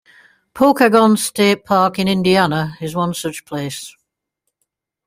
Pokagon State Park in Indiana is one such place.